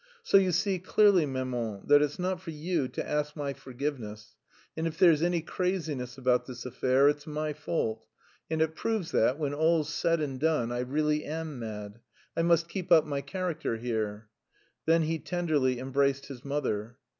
"So, you see clearly, maman, that it's not for you to ask my forgiveness, and if there's any craziness about this affair it's my fault, and it proves that, when all's said and done, I really am mad.... I must keep up my character here...." Then he tenderly embraced his mother.